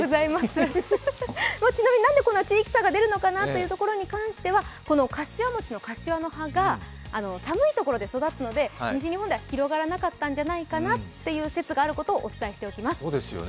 ちなみに、何でこんな地域差が出るのかなというところに関しては柏餅の柏の葉が寒いところで育つので西日本では広がらなかったんじゃないかという説をお伝えしておきます。